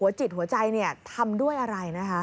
หัวจิตหัวใจเนี่ยทำด้วยอะไรนะคะ